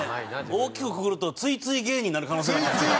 大きくくくるとついつい芸人になる可能性ありますよ。